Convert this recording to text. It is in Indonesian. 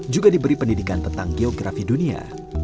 juga diberi pendidikan tentang geografi dunia